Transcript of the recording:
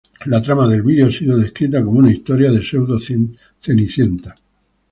La trama del video ha sido descrita como una historia de pseudo-Cenicienta.